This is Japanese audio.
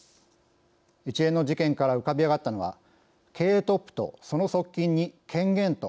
一連の事件から浮かび上がったのは経営トップとその側近に権限と金が集まる